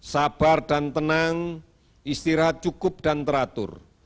sabar dan tenang istirahat cukup dan teratur